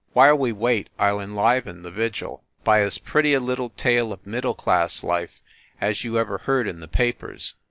While we wait, I ll enliven the vigil by as pretty a little tale of middle class life as you ever heard in the papers."